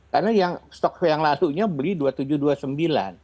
karena stok yang lalunya beli rp dua puluh tujuh dua ratus sembilan puluh